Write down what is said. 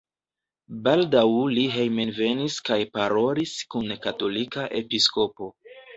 Baldaŭ li hejmenvenis kaj parolis kun katolika episkopo.